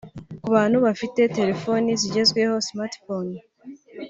Ku bantu bafite telefone zigezweho (smart phone)